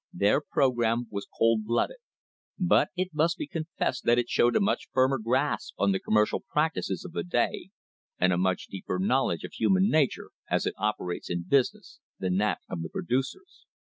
Their program was cold blooded, but it must be confessed that it showed a much firmer grasp on the commercial practices of the day, and a much deeper knowledge of human nature as it operates in business, than that of the producers.